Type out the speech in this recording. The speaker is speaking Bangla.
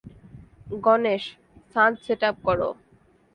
গণেশ, ছাদ সেট আপ করো।